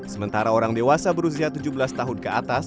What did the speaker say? sementara orang dewasa berusia tujuh belas tahun ke atas